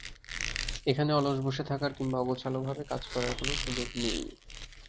এখানে অলস বসে থাকার কিংবা অগোছালোভাবে কাজ করার কোনো সুযোগ নেই।